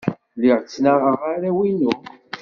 Lliɣ ttnaɣeɣ arraw-inu.